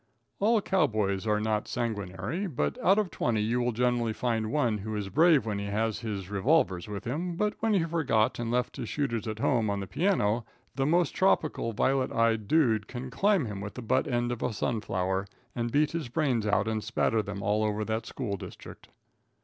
All cow boys are not sanguinary; but out of twenty you will generally find one who is brave when he has his revolvers with him; but when he forgot and left his shooters at home on the piano, the most tropical violet eyed dude can climb him with the butt end of a sunflower, and beat his brains out and spatter them all over that school district.